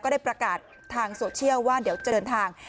ได้ประกาศทางโซเชียลว่าเดี๋ยวจะเดินทาง